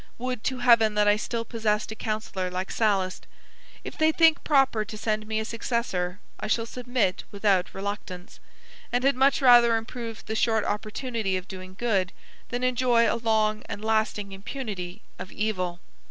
Would to Heaven that I still possessed a counsellor like Sallust! If they think proper to send me a successor, I shall submit without reluctance; and had much rather improve the short opportunity of doing good, than enjoy a long and lasting impunity of evil."